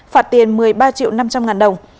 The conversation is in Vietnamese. phạt tiền một mươi ba năm trăm linh đồng